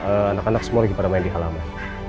anak anak semua lagi pada main di halaman